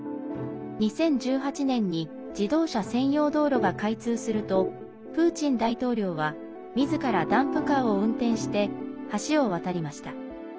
２０１８年に自動車専用道路が開通するとプーチン大統領は、みずからダンプカーを運転して橋を渡りました。